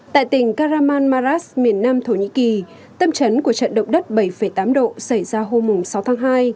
tại tỉnh karaman maras miền nam thổ nhĩ kỳ tâm trấn của trận động đất bảy tám độ xảy ra hôm sáu tháng hai